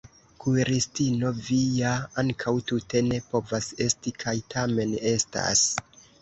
Kuiristino vi ja ankaŭ tute ne povas esti kaj tamen estas!